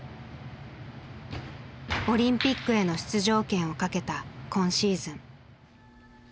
オリンピックへの出場権をかけた今シーズン。